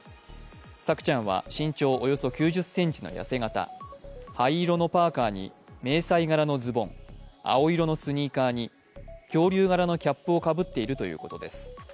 朔ちゃんは身長およそ９０ｃｍの痩せ形灰色のパーカに迷彩柄のズボン青色のスニーカーに恐竜柄のキャップをかぶっているということです。